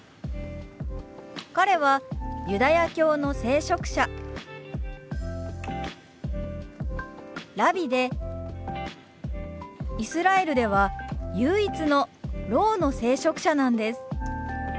彼はユダヤ教の聖職者ラビでイスラエルでは唯一のろうの聖職者なんです。